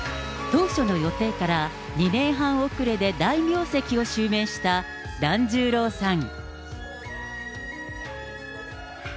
当初の予定から２年半遅れで大名跡を襲名した團十郎さん。